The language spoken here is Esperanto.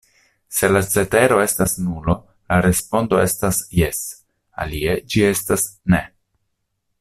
Se la cetero estas nulo, la respondo estas 'jes'; alie, ĝi estas 'ne'.